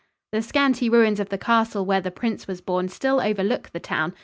The scanty ruins of the castle where the prince was born still overlook the town.